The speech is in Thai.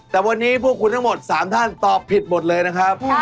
แต่วันนี้พวกคุณทั้งหมด๓ท่านตอบผิดหมดเลยนะครับ